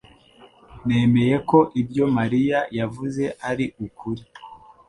yemeye ko ibyo Mariya yavuze ari ukuri.